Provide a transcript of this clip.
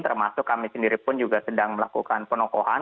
termasuk kami sendiri pun juga sedang melakukan penokohan